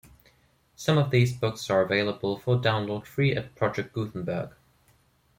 Some of these books are available for download free at Project Gutenberg.